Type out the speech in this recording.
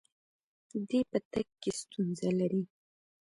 دی په تګ کې ستونزه لري.